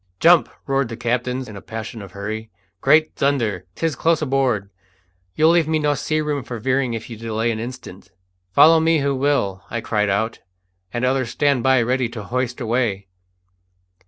"Jump!" roared the captain, in a passion of hurry. "Great thunder! 'tis close aboard! You'll leave me no sea room for veering if you delay an instant." "Follow me who will!" I cried out; "and others stand by ready to hoist away."